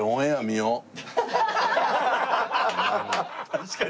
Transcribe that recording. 確かに。